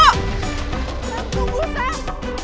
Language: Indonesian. sam tunggu sam